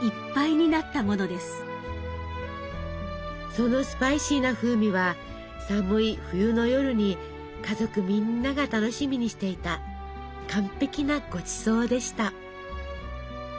そのスパイシーな風味は寒い冬の夜に家族みんなが楽しみにしていた「完璧なごちそう」でした。